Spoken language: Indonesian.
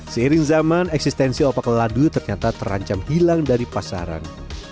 seiring zaman eksistensi opak ladu ternyata terancam hilang dari pasaran